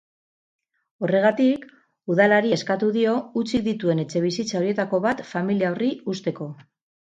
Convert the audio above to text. Horregatik, udalari eskatu dio hutsik dituen etxebizitza horietako bat familia horri uzteko.